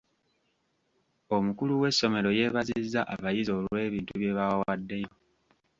Omukulu w'essomero yeebazizza abayizi olw'ebintu bye baawaddeyo.